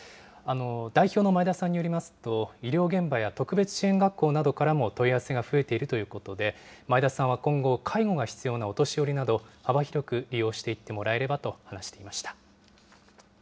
代表の前田さんによりますと、医療現場や特別支援学校などからも問い合わせが増えているということで、前田さんは今後、介護が必要なお年寄りなど、幅広く利用していってもらえればと話していました。